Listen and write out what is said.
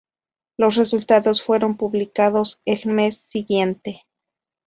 Los resultados fueron publicados el mes siguiente.